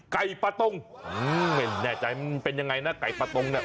ไก่ปะต้งไม่แน่ใจมันเป็นยังไงนะไก่ปะต้งเนี่ย